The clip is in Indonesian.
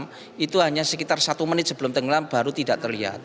malam itu hanya sekitar satu menit sebelum tenggelam baru tidak terlihat